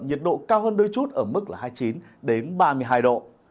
nhiệt độ cao hơn đôi chút ở mức là hai mươi chín ba mươi hai độ